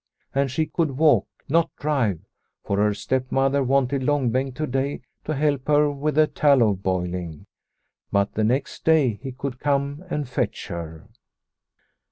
And she could walk, not drive ; for her stepmother wanted Long Bengt to day to help her with the tallow boiling. But the next day he could come and fetch her.